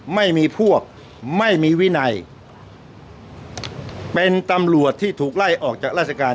ไม่มีพวกไม่มีวินัยเป็นตำรวจที่ถูกไล่ออกจากราชการ